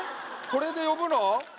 これで呼ぶの？